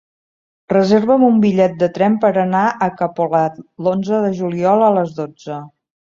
Reserva'm un bitllet de tren per anar a Capolat l'onze de juliol a les dotze.